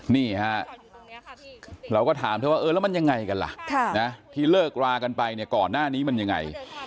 นี่ฮะเราก็ถามเธอว่าเออแล้วมันยังไงกันล่ะที่เลิกรากันไปเนี่ยก่อนหน้านี้มันยังไง